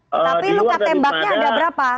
tapi luka tembaknya ada berapa